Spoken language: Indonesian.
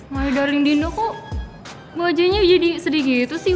maidah lindinda kok bajenya jadi sedih gitu sih